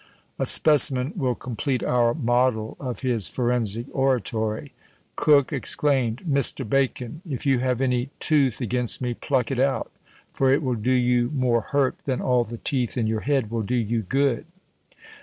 A specimen will complete our model of his forensic oratory. Coke exclaimed "Mr. Bacon, if you have any tooth against me, pluck it out; for it will do you more hurt than all the teeth in your head will do you good."